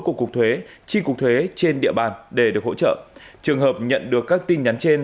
của cục thuế chi cục thuế trên địa bàn để được hỗ trợ trường hợp nhận được các tin nhắn trên